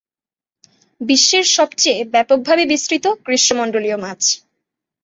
বিশ্বের সবচেয়ে ব্যাপকভাবে বিস্তৃত গ্রীষ্মমণ্ডলীয় মাছ।